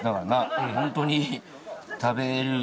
ホントに。